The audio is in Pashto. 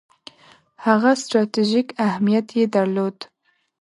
هغه ستراتیژیک اهمیت یې درلود.